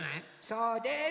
そうです。